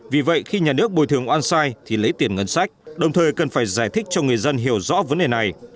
vì vậy khi nhà nước bồi thường oan sai thì lấy tiền ngân sách đồng thời cần phải giải thích cho người dân hiểu rõ vấn đề này